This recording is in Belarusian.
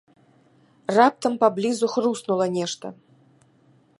Раптам паблізу хруснула нешта.